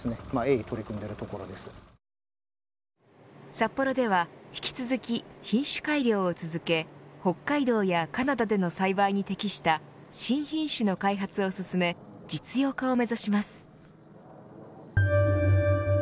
サッポロでは引き続き品種改良を続け北海道やカナダでの栽培に適した新品種の開発を進め実用化を目指します。